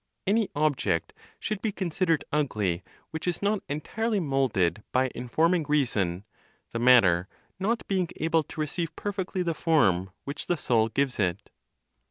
Any object should be considered ugly which is not entirely molded by informing reason, the matter, not being able to receive perfectly the form (which the Soul gives it).